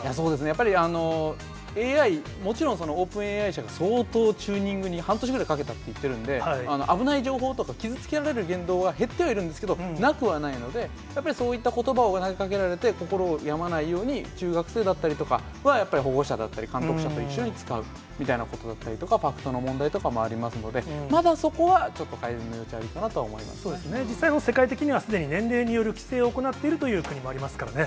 やっぱりＡＩ、もちろんオープンＡＩ社が相当チューニングに、半年ぐらいかけたって言ってるんで、危ない情報とか傷つけられる言動が減ってはいるんですけれども、なくはないので、やっぱりそういったことばを投げかけられて心を病まないように、中学生だったりとかはやっぱり保護者だったりとか監督者だったりとかと一緒に使うみたいなことだったりとか、ファクトの問題とかもありますので、まだそこはちょっと改善の余地はあるかと思いまそうですね、実際に世界的には、年齢による規制を行っているという国もありますからね。